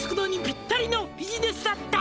「ぴったりのビジネスだった」